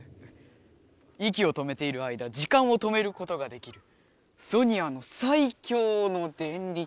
いきを止めている間時間を止めることができるソニアの最強のデンリキ。